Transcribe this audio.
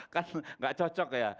kan tidak cocok ya